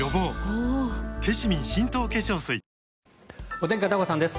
お天気、片岡さんです。